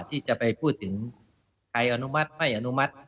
ที่จะไปพูดถึงใครอนุมัติไม่อนุมัติ